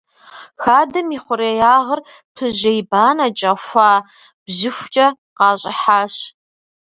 Хадэм и хъуреягъыр пыжьей банэкӏэ хуа бжыхькӏэ къащӏыхьащ.